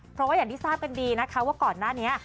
เพราะอย่างที่ทราบเป็นดีว่าก่อนหน้านี้